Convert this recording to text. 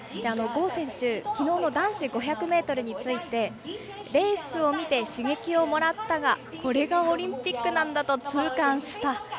郷選手きのうの男子５００ｍについてレースを見て刺激をもらったがこれがオリンピックなんだと痛感した。